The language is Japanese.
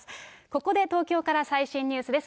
ここで東京から最新ニュースです。